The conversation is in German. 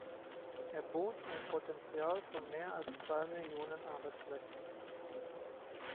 Er bot ein Potential von mehr als zwei Millionen Arbeitsplätzen.